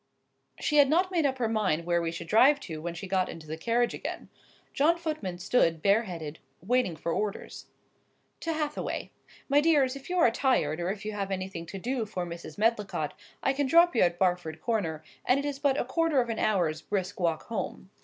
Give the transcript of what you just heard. She had not made up her mind where we should drive to when she got into the carriage again. John Footman stood, bare headed, waiting for orders. "To Hathaway. My dears, if you are tired, or if you have anything to do for Mrs. Medlicott, I can drop you at Barford Corner, and it is but a quarter of an hour's brisk walk home."